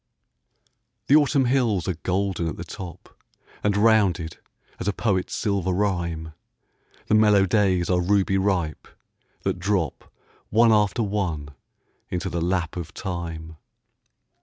The Autumn hills are golden at the top, And rounded as a poet's silver rhyme; The mellow days are ruby ripe, that drop One after one into the lap of time.